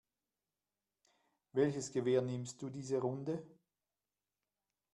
Welches Gewehr nimmst du diese Runde?